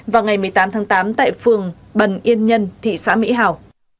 vào ngày một mươi tám tháng tám tại phường bần yên nhân thị xã mỹ hào